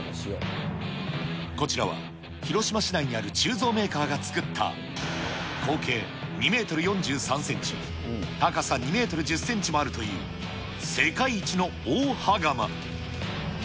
こちらは、広島市内にある鋳造メーカーが作った、口径２メートル４３センチ、高さ２メートル１０センチもあるという、世界一の大羽釜。